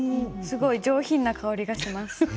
すごい上品な香りがします。